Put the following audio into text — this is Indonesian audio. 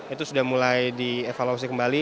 itu sudah mulai dievaluasi kembali